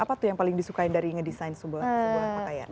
apa tuh yang paling disukain dari ngedesain sebuah pakaian